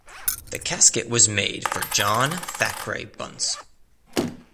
The casket was made for John Thackray Bunce.